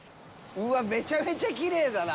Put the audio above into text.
うわ、めちゃめちゃきれいだな。